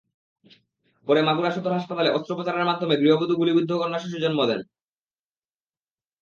পরে মাগুরা সদর হাসপাতালে অস্ত্রোপচারের মাধ্যমে গৃহবধূ গুলিবিদ্ধ কন্যাশিশু জন্ম দেন।